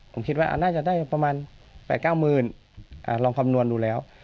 ผมคิดว่าน่าจะได้ประมาณ๘๙หมื่นลองคำนวณดูแล้ว